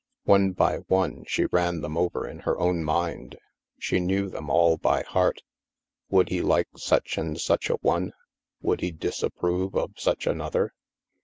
One by one, she ran them over in her own mind. She knew them all by heart. Would he like such and such a one? Would he disapprove of such another